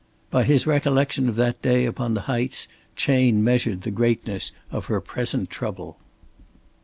By his recollection of that day upon the heights Chayne measured the greatness of her present trouble.